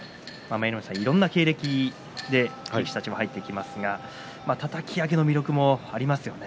いろんな経歴で力士たちは入ってきますがたたき上げの魅力もありますね。